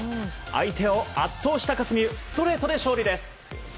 相手を圧倒したかすみうストレートで勝利です。